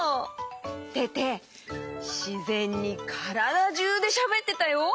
テテしぜんにからだじゅうでしゃべってたよ。